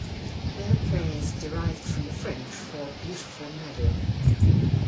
Belpre is derived from the French for "beautiful meadow".